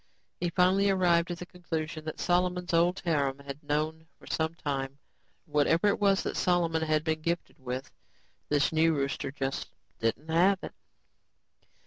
He finally arrived at the conclusion that Solomon's old harem had known for some time; whatever it was that Solomon had been gifted with, this new rooster just didn't have it.